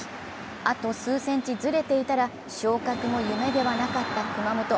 あと数センチずれていたら、昇格も夢ではなかった熊本。